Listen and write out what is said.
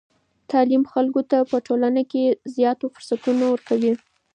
تعلیم خلکو ته په ټولنه کې زیاتو فرصتونو ورکوي.